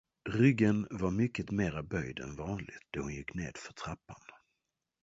Ryggen var mycket mera böjd än vanligt, då hon gick ned för trappan.